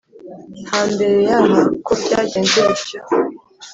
hambere y'aha ko byagenze bityo